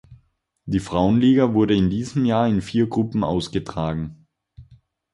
Die Frauenliga wurde in diesem Jahr in vier Gruppen ausgetragen.